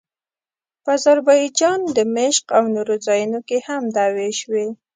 په اذربایجان، دمشق او نورو ځایونو کې هم دعوې شوې.